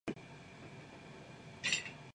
The entrance exams are held every year in the spring.